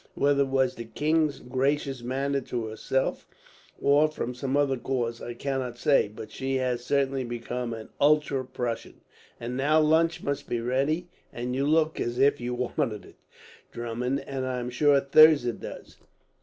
Whether it was the king's gracious manner to herself, or from some other cause, I cannot say; but she has certainly become an ultra Prussian. "And now lunch must be ready, and you look as if you wanted it, Drummond; and I am sure Thirza does.